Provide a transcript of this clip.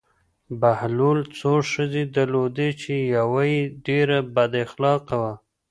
بهلول څو ښځې درلودې چې یوه یې ډېره بد اخلاقه وه.